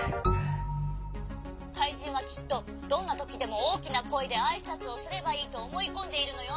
かいじんはきっとどんなときでもおおきなこえであいさつをすればいいとおもいこんでいるのよ」。